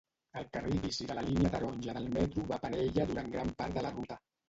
El carril bici de la línia taronja del metro va parel·la durant gran part de la ruta.